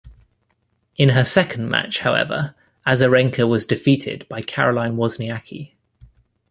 In her second match, however, Azarenka was defeated by Caroline Wozniacki.